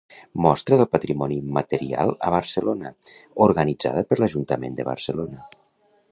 Mostra del Patrimoni Immaterial a Barcelona, organitzada per l'Ajuntament de Barcelona.